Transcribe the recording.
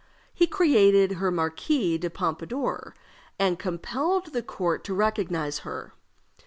He created her Marquise de Pompadour, and compelled the court to recognize her.